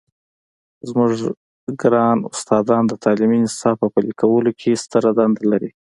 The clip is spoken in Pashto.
زموږ ګران استادان د تعلیمي نصاب په پلي کولو کې ستره دنده لري.